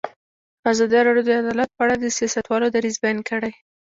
ازادي راډیو د عدالت په اړه د سیاستوالو دریځ بیان کړی.